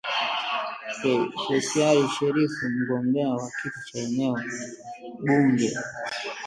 Feisial Sherif mgombea wa kiti cha eneo bunge